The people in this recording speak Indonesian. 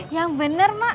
yang bener mak